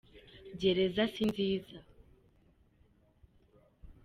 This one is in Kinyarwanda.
gereza sinziza